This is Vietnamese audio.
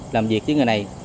làm việc với người này